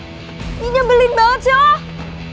ini nyebelin banget cewek